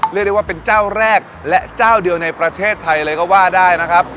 เรียกได้ว่าเป็นเจ้าแรกและเจ้าเดียวในประเทศไทยเลยก็ว่าได้นะครับ